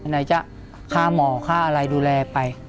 ไหนจะฆ่าหมอค่าอะไรดูแลไป